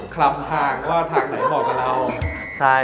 คลำทางว่าทางไหนเหมาะกันแล้ว